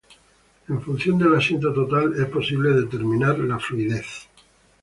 En función del asiento total, es posible determinar la fluidez.